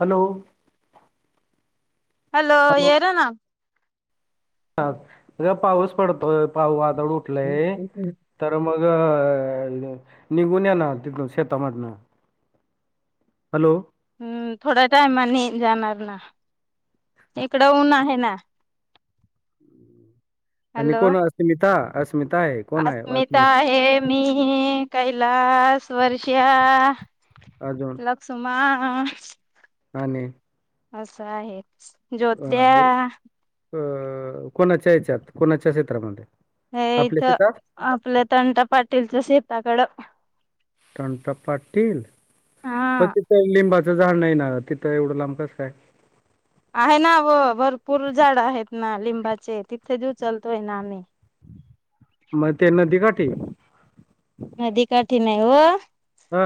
[inaudible] Hello hello येरे ना हा पाऊस पडतोय पाऊ- वादळ उठलंय तर मग अ निघून या ना तथ शतामध्ये ना हॅलो हम थोडा टायमा नि जान ना इकडं ऊन आहे ना आणि हॅलो कोण अस्मिता अस्मिता आहे कोण आहे अस्मिता अस्मि आहे मी कैलास वर्ष लकसुमा हाणे असं आहे ज्योत्या अ कोणाच्या याच्यात कोणाच्या क्षेत्रामध्ये हे आपल्या इथं शेतात आपल्या तंटा पाटीलच्या शेताकडं टंटा पाटील हा प तिचा लिंबा तं जाण नाही ना तिथं एवढं लांकंच काय आहे ना व भरपूर झाड आहेत ना लिंबाचे तिथे दिऊचलतोय ना आम्ही मग ते नदीकाठी नदी काठी नाही व हा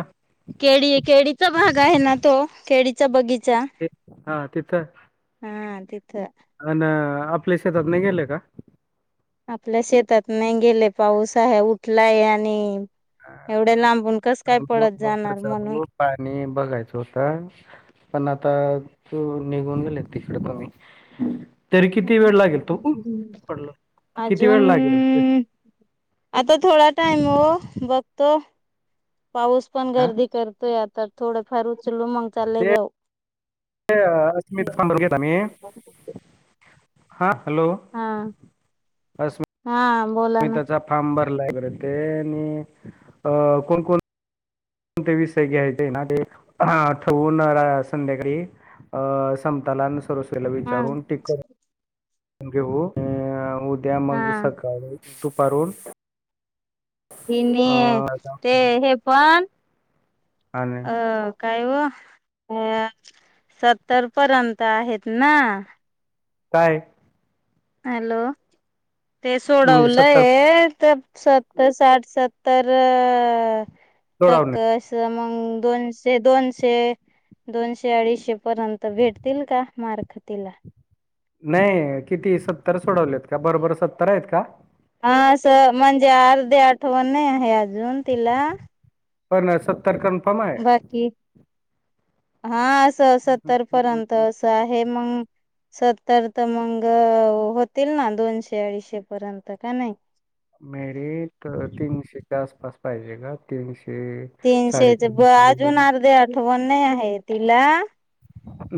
केळी केळीच भाग आहे ना तो खळीचा बगीचा ते हा तिथं हा तिथं अ आपल्या शेतात नाही गेले का आपल्या शेतात नाही गेले पाऊस आहे उठलाय आणि एवढ्या लाब मोटर चालू पाणी बघायचं होतं पण आता त निघून गेलेते इकडं कमी तरी किती वेळ लागेल तू पडल किती अजून वेळ लागेल आता थोडा टाइम व बघतो पाऊस पण हा गर्दी करतोय आता थोडंफार उचलो मग चाललं जाऊ असम सब घेत मी हा हॅलो हा अस्म हा बोला ना अस्मिताचा फार्म भर ते आणि कोण कोण ण ते विषय घ्यायचे ना ते ठेवून संध्याकाळी अं समतालान सरोसरीला हा विचारून टिक घेऊ अ उद्या मग हा सकाळी दुपारून ह ते अ हे पण आणि अह काय हो अ सत्तर पर्यंत आहेत ना काय हॅलो ते म्हणजे सोडवलं सत्तर आहे तर सतर साठ सत्तर टक्क सोडवणे अस मग दोनशे दोनशे दोनशे अडीचशे पर्यंत भेटतील का मार्ख तिला नाही किती सत्तर सोडवलेत का बरोबर सत्तर आहेत का हा असं म्हणजे अर्धे आठवण नाही आहे अजून तिला पण सत्तर कनफमाय बाकी हा असं सत्तर हम्म, हम्म, पर्यंत हम्म. असं आहे मंग सत्तर तर मंग होतील ना दोनशे अडीचशे पर्यंत का नाही मेरिट तीनशेच्या आसपास पाहिजे का तीनशे तीनशेच ब साडेतीनशे अजून अर्धे आठवण नाही आहे तिला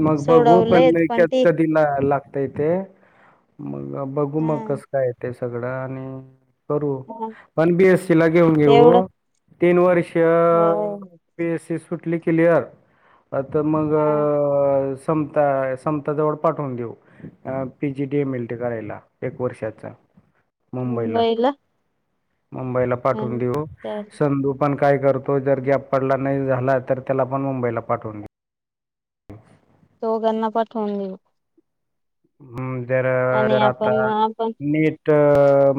मग बघू पण सोडवलंय नाही कत ती कधी लागताय ते मग बघू मग कसं हा काय ते सगळं आणि कर पन बीएससी ला घेऊन घेऊ तेवढं तीन वर्ष हो. ीसी सुटली कलीर आता मग हा. ममताजव पाठवून देऊ पीजी डी एम एली करायला एक वर्षा अच्छा! मुंबईला. मुंबईला पाठवून आणि देऊ, त्या सधू पण काय करतो जर ग पडला. झाला तर त्याला पण मुंबईला पाठवून देऊ. हो! हो त्यांना पाठवून देऊ. हम्म जर आणि जर आता आपण आपण नीट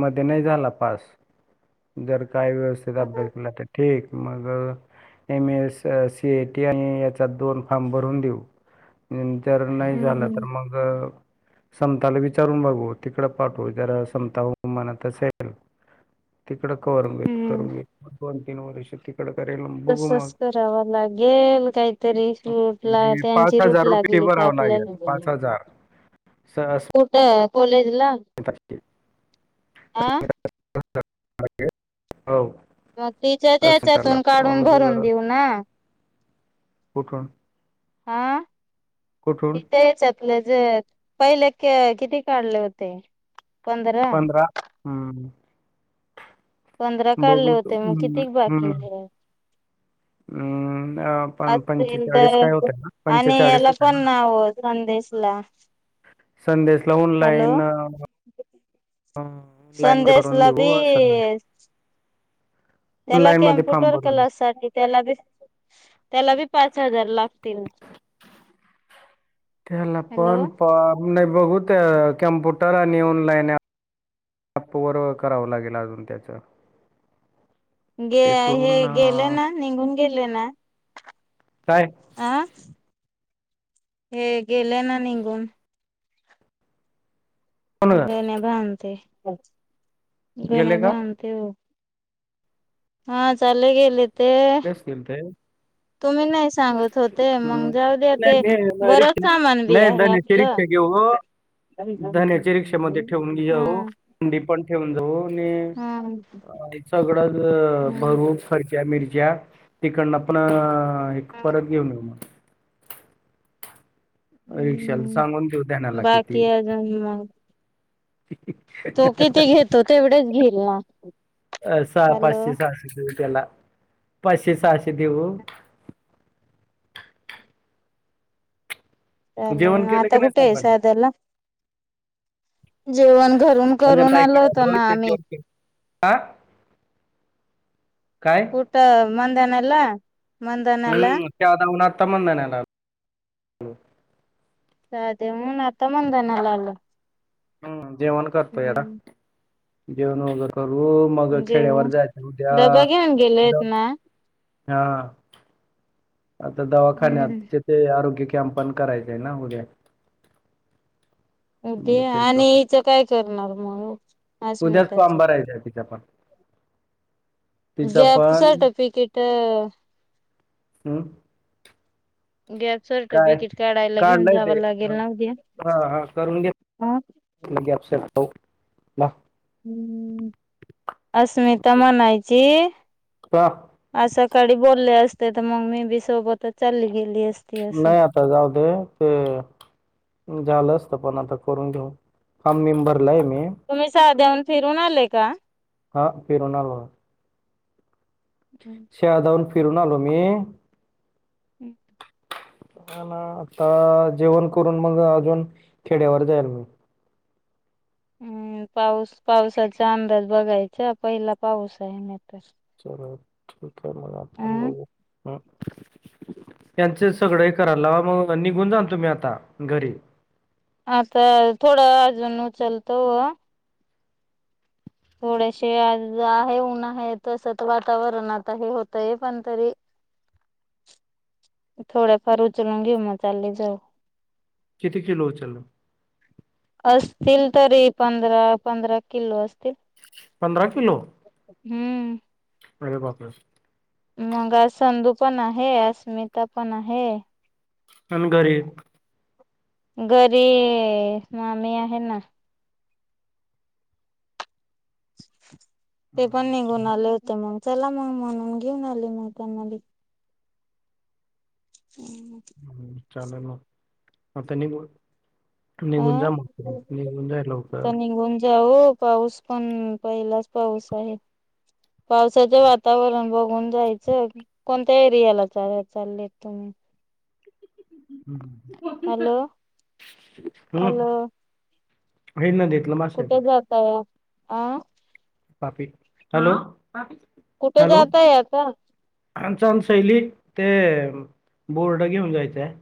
म ते नाही झाला पास, जर काही व्यवस्थ अभ्यासला तर ठीक. मगम एम एस सीएटी आणि याचा दोन फारम भरून देऊ! जर नाही झालं तर हम्म. मग... समताला विचारून बघू तिकड पाठव जरा समताम [unintelligible] तिकडं करून घेत करून घेत दोन तीन वर्ष त तसच कराव लागेल काहीतरी रूट ला त्यांची रूट लागेल. बराव लागेल पाच हजार स कुठं कॉलेजला अस्मिताचे. हा..... [unintelligible] हो मग तिच्या सेंटरला हच्यातून काढून मग भरून अ, देऊ ना! कुठून? हा कुठून इथ आहेच पहिले किती काढले होते पंधरा हम्म! पंधरा काढले होते बघम् मग किती हम्म [unintelligible] अं, पण असेल पंचेचाळीस तर काय होते ना आणि पंचेचाळीस याला होते पण ना नाव संदेश ला, ह संदेशला ऑनलाईन, ह ऑनलाईन मध्ये भरून संदेशला घेऊ. बी त्याला फॉर्म कम्प्युटर भरून देऊ क्लास साठी त्याला बी त्याला बी पाच हजार लागतील, ह त्याला हॅलो पण प नाही बघू त्या कम्प्युटर आणि ऑनलाईन आप व करावं लागेल अजून त्याच. गे हे गेले अं, ना! निघून गेले ना! काय अ हे गेले ना निघून? कोण गणे भधते गणे गेले का भांधते हो. हा चाल गेले. ते गस मिळत. तुम्ही नाही सांगत होते मग जाऊ द्या ते नाही बरंच सामान बी आहे [unintelligible] आपलं रिक्षा घेऊन. हो! धण्याच्या रिक्षामध्ये ठेवून घ जाऊ थंडी हा पण ठेवून जाऊ आणि हा सगळंच हम भरू खर्च मिरच्या तिकडन आपण एक परत घेऊन येेऊ मग, रिक्षाला हम्म सांगून घेऊ त्यानाला बाकी किती? अजून मग तो किती घेतो तेवढेच घेईल ना अ हॅलो पाचशे साडेपाचशे. त्याला पाशे सहाशे देऊ! चालेल जेवण केलं आता की नाही कुठे आहे सर्वांनी साध्याला? जेवण घरून म्हणजे करून आलो ताईकडे होत ना इथे आम्ही, जेवण केलं हा काय कुठ मध्यानला. हम्म! त्यादावन आता म्हणध नाहीना. साधे म्हणून आता मधनाला आल. हम्म जेवण करतोय या जेवण वगैर करून. हो मग खेड्यावर जेवण जायचं उद्या डबा घेऊन गेलेत जा ना हा आता दवाखान्यात हम्म तिथे आरोग्य कॅपण करायच आहे ना उद्या. मग उद्या ते करू आणि इथं काय करणार मग उद्याच तो अस्मिताच फाॅर्म भरायचा आहे तिथं पण तिचा गॅप पण सर्टिफिकेट हम्म गॅप काय सर्टिफिकेट काढायला घेऊन काढलंय जावं ते लागेल ना उद्या हा हा करून घे. ह के अपसे पाऊ ह अस्मिता म्हणायची का असं काडी बोलले असते तर मग मी बी सोबतच चालली गेली असते नाही आता जाऊ दे ते झालं असत पण आता करून ठेव फॉर्म बीम भरून ठेव. तुम्ही साध्याऊन फिरून आले का हा फिरून आलो. शाळा जाऊन फिरून आलो मी. हम् ना आता जेवण करून मग अजून खेड्यावर जाईल मग हम्म पाऊस पावसाचा अंदाज बघायचा पहिला पाऊस आहे म तर चल ठीक आहे मला अं बघू ह - त्यांचं सगळं हे करायला लावा मग निघून जाण तुम्ही आता घरी आता थोडं अजून चालत ओ थोडेशी आज आहे ऊन आहे तसत वातावरण आता हे होतय पण तरी थोड्याफार उचलून घेऊ मग चालली जाऊ किती किलो उचलं? असतील तरी पंधरा पंधरा किलो अस? तील पंधरा किलो हम्म अरे बापरे मग अ संधू पण आहे अस्मिता पण आहे. अन घरी? घरी मामी आहे ना? ते पण हम्म, निघून आले होते मग चला मग म्हणून घेऊन आली मी त्यांना बी हम् चालेल मग म त्यांनी अ निघून जा मग निघून जा लवकर जा हो पाऊस पण पहिलाच पाऊस आहे पावसाचं वातावरण बघून जायचं कोणत्या एरियाला चाल चाललेत तुम्ही हॅलो हम हॅलो हे ना देख कुठे जाताय आं पापी हॅलो कुठे जातय आता? आण [unintelligible] शैलीत ते बोर्ड घेऊन जायचंय.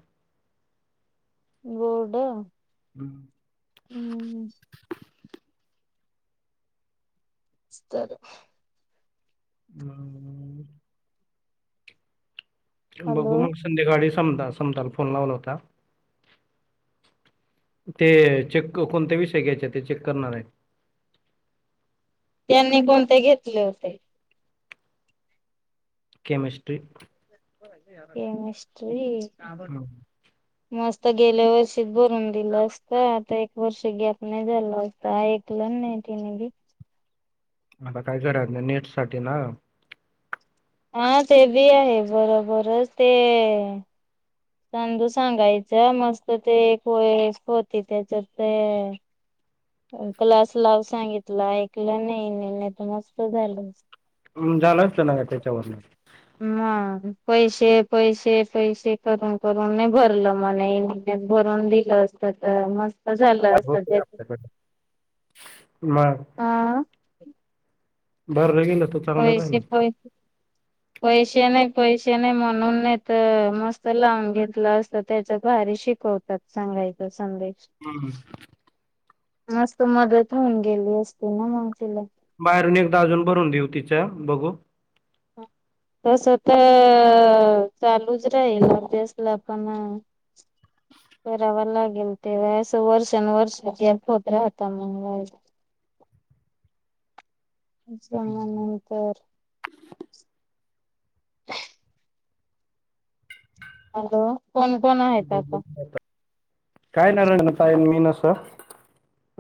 बोर्ड हम्म हम्म स्तर हम्म हॅलो बघू मग संध्याकाळी समता समताला फोन लावला होता. ते चेक कोणता विषय घ्यायचे ते चेक करणार आहे. [inaudible] त्यांनी कोणते घेतले होते? केमिस्ट्री. [unintelligible] केमिस्ट्री हम्म. मस्त स्त गेल्या वर्षीच भरून दिलं असत. आता एक वर्ष गॅप नाही झाला असता, ऐकलं नाही. तीनी बी. आता काय घरातनं, नेट साठी ना. हा ते बी आहे बरोबरच. ते सांधू सांगायचं, मस्त ते [unintelligible] होती त्याच्या ते क्लास लाव सांगितलं, ऐकलं नाही हेनी, नाही तर मस्त झालं असतं. हम्, झालं असतं ना, त्याच्यावरन. मग पैसे, पैसे, पैसे करून- करून नाही भरलं, म [unintelligible] भरून दिलं असतं. त मस्त झालं असतं, होते त्याच. आपल्याकडे मग हा भरलं गेलं तो चांगला राहिला पैसे असता. पै पैसे नाही, पैसे नाही म्हणून नाही तर, मस्त लावून घेतलं असत त्याच् भारी शिक होतात, सांगायचं संधी हम मस्त मदत होऊन गेली असती ना, मंग तिला. बाहेरून एकदा अजून भरून देऊ तिचा, बघू. ह तस तर, चालूच राहील अभ्यासला पण [unintelligible] ते मी असं वर्षान वर्ष येत होत राहता मंग [unintelligible] हम्म. जमा नंतर [unintelligible] हॅलो, कोण-कोण आहेत आता? काय न [unintelligible] ताई मी असं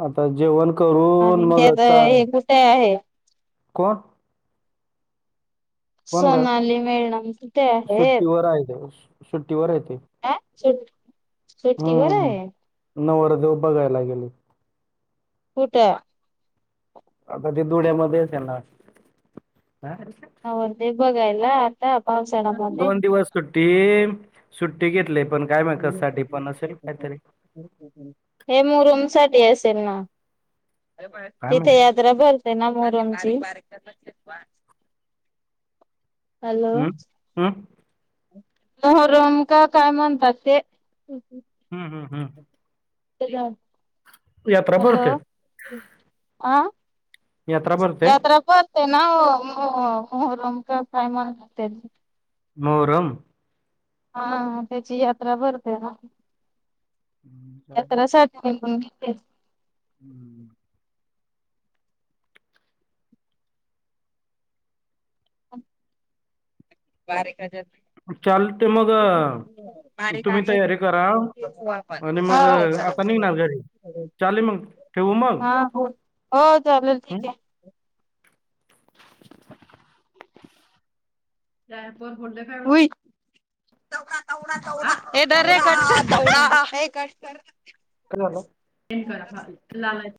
आता जेवण करून आणि मग त्यात अच्छा हे कुठे आहे कोण? कोण ग? सोनाली मॅडम कुठे आहेत सुट्टीवराय सुट्टीवरय ते सुट हम्म सुट्टीवराय? नवरदेव बघायला गेले. कुठं? आता ते धुळ्यामध्येे येत्याल ना. हा नवरदेव बघायला? आता पावसाळ्यामध्ये दोन दिवस सुट्टी, सुट्टी घेतलीय. [unintelligible] हे मोहरम साठी अस ना [unintelligible] काय तिथे माहित यात्रा भरते. त्यांना मोहरमची [unintelligible] हॅलो हम्म हम्म मोहरम का काय म्हणतात ते. हम् हम्. [unintelligible] हॅलो, भरते आ यात्रा भरते यात्रा पन ते ना, मो मोहरम का काय म्हणतात ते. मोहरम. हा - हा त्याची यात्रा भरते ना. हम्म. यात्रासाठी [unintelligible] हम् [unintelligible] बारीक ह्याज्यात चालते मग तुम्ही तयारी करा आणि मग आता निघणार घरी चालेल मग ठेवू मग हा हो हो चालेल हम्म ठीक आहे डायपर फोडले काय हे धर काय रे झालं धर ये कट कर करा